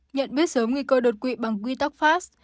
nhận biết sớm nguy cơ đột quỵ bằng quy tắc fast